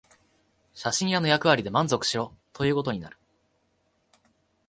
写真屋の役割で満足しろということになる